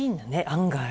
案外。